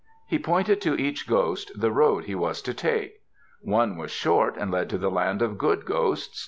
He pointed to each ghost the road he was to take. One was short and led to the land of good ghosts.